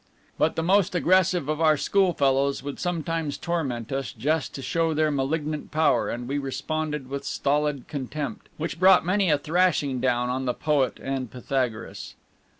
But the most aggressive of our schoolfellows would sometimes torment us, just to show their malignant power, and we responded with stolid contempt, which brought many a thrashing down on the Poet and Pythagoras.